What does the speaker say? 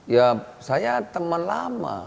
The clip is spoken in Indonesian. ya saya teman lama